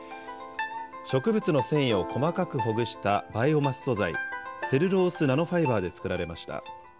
植物の繊維を細かくほぐしたバイオマス素材、セルロースナノファイバーで作られました。